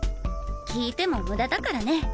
聞いてもムダだからね。